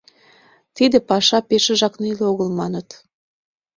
Тиде паша пешыжак неле огыл, маныт.